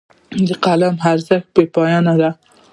د قلم ارزښت بې پایانه دی.